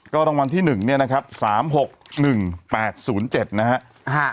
ก็รางวัลที่หนึ่งเนี้ยนะครับสามหกหนึ่งแปดศูนย์เจ็ดนะฮะฮะ